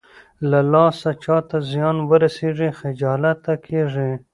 له لاسه چاته زيان ورسېږي خجالته کېږي.